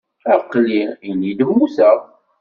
Aql-i ini-d mmuteɣ.